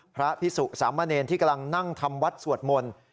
พระพิสุสามเณรที่กำลังนั่งทำวัดสวดมนต์